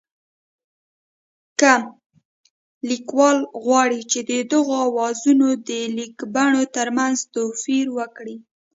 که لیکوال غواړي چې د دغو آوازونو د لیکبڼو ترمنځ توپیر وکړي